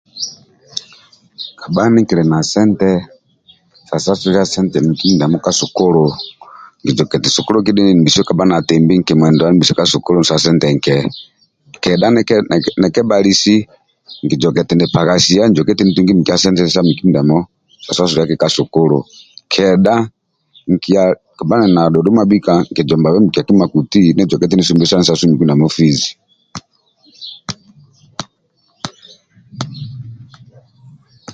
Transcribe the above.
Kabha ndie kili na sente sa sasulilia miki mindiamo ka sukulu nkizoka eti sukulu ndie kibha ninimbisi kavha nayembi nkimuindula nimuise ka sukulu sa sente nke ndia kebhali si nkizoke eti nipaghasia nizoke eti nitungi sente sa miki mindiamo sa sasuliliaki ka sukulu kedha abha ninili na dhudhu mabhika nkijombabe mikia kima tuti nijoke eti nisumbesia nisasuli miki mindiamo fizi